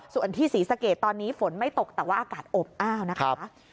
ส่วนที่ศรีสะเกดตอนนี้ฝนไม่ตกแต่ว่าอากาศอบอ้าวนะคะ